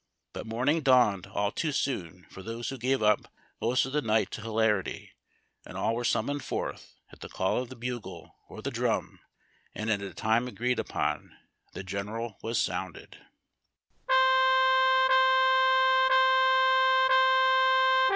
But morning dawned all too soon for those who gave up most of the night to hilarity, and all were summoned forth at the call of the bugle or the drum, and at a time agreed upon Tlie General was sounded.